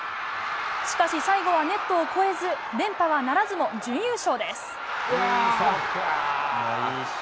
しかし、最後はネットを越えず、連覇はならずも準優勝です。